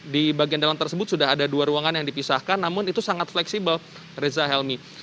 di bagian dalam tersebut sudah ada dua ruangan yang dipisahkan namun itu sangat fleksibel reza helmi